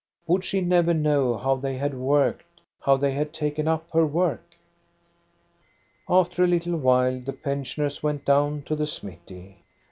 Would she never know how they had worked, how they had taken up her work? After a little while the pensioners went down to the smithy.